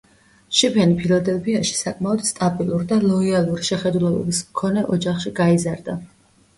შიფენი ფილადელფიაში, საკმაოდ სტაბილურ და ლოიალური შეხედულებების მქონე ოჯახში გაიზარდა.